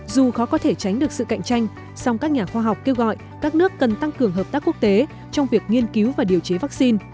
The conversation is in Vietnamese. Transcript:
dù khó có thể tránh được sự cạnh tranh song các nhà khoa học kêu gọi các nước cần tăng cường hợp tác quốc tế trong việc nghiên cứu và điều chế vaccine